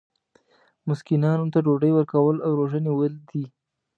مسکینانو ته ډوډۍ ورکول او روژه نیول دي.